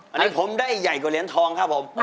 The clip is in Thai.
อันนี้ผมได้ใหญ่กว่าเหรียญทองครับผม